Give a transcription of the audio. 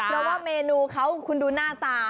แล้วก็เมนูเขาคุณดูหน้าตา